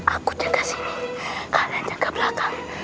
aku jaga sini kalian jaga belakang